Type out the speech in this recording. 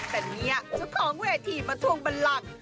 แต่เนี่ยเจ้าของเวทีมาทวงบันลัง